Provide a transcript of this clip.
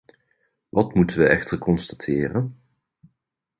Wat moeten we echter constateren?